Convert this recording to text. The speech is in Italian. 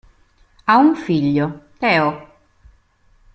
Ha un figlio, Teo.